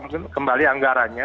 mungkin kembali anggarannya